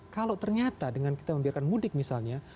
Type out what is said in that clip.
kalau ternyata dengan kita membiarkan mudik misalnya